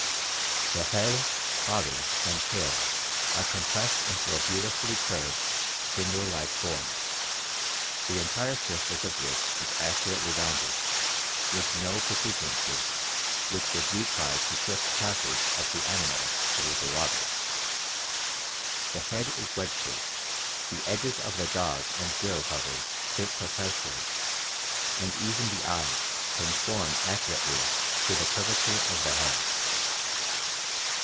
The head, body, and tail are compressed into a beautifully curved spindle like form, the entire surface of which is accurately rounded, with no protuberances which would retard the swift passage of the animal through the water. The head is wedge shaped, the edges of the jaws and gill covers fit precisely, and even the eyes conform accurately to the curvature of the head.